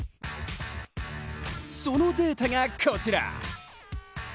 そのデータがこちら。